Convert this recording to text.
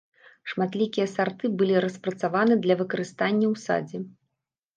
Шматлікія сарты былі распрацаваны для выкарыстання ў садзе.